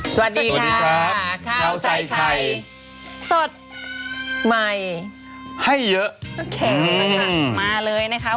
สวัสดีค่ะข้าวใส่ไข่สดใหม่ให้เยอะโอเคค่ะมาเลยนะคะ